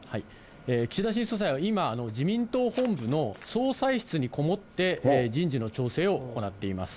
岸田新総裁は今、自民党本部の総裁室に籠もって人事の調整を行っています。